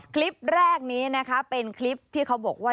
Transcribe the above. คลิปแรกนี้นะคะเป็นคลิปที่เขาบอกว่า